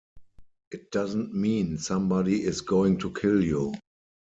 It doesn't mean somebody is going to kill you.